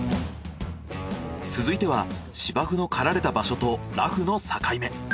続いては芝生の刈られた場所とラフの境目。